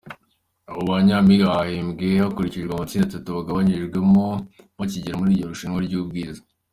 Abo banyampinga bahembwe hakurikijwe amatsinda atatu bagabanyijwemo bakigera muri iryo rushanwa ry’ubwiza.